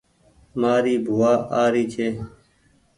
مآري بووآ آ ري ڇي